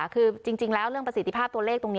คือจริงแล้วเรื่องประสิทธิภาพตัวเลขตรงนี้